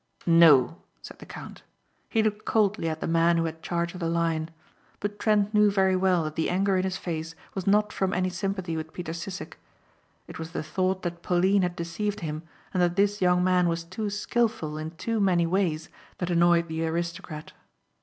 "No," said the count. He looked coldly at the man who had charge of the Lion. But Trent knew very well that the anger in his face was not from any sympathy with Peter Sissek. It was the thought that Pauline had deceived him and that this young man was too skillful in too many ways that annoyed the aristocrat.